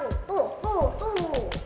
tuh tuh tuh